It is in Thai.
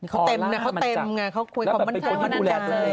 เขาเต็มเค้าเป็นพวกที่ดูแล